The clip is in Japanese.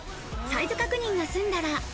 サイズ確認が済んだら。